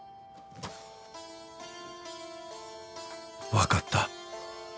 分かった